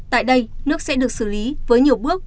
tại đây nước sẽ được xử lý với nhiều bước